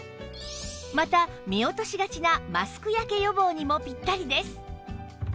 また見落としがちなマスク焼け予防にもピッタリです